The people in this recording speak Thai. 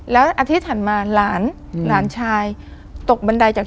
แล้วอาทิตย์ถัดมาหลานหลานชายตกบันไดจาก